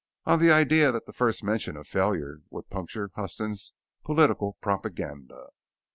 On the idea that the first mention of failure would puncture Huston's political propaganda."